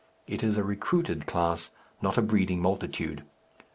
It is a recruited class, not a breeding multitude.